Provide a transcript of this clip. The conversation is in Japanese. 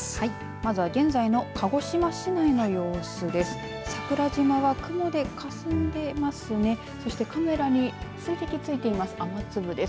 まずは、現在の鹿児島市内の様子です。